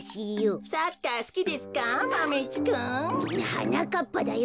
はなかっぱだよ。